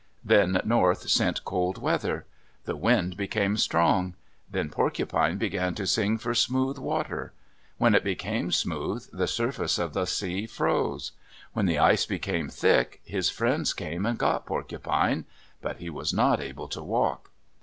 Then North sent cold weather. The wind became strong. Then Porcupine began to sing for smooth water. When it became smooth, the surface of the sea froze. When the ice became thick, his friends came and got Porcupine; but he was not able to walk.